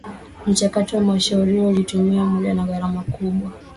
Mchakato wa mashauriano ulitumia muda na gharama kubwa